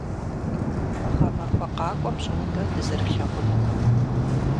Гъэмахуэ къакӏуэ пщӏондэ дызэрылъэгъунукъым.